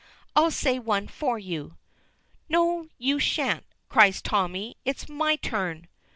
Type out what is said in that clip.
"I'll say one for you." "No, you shan't," cries Tommy; "it's my turn."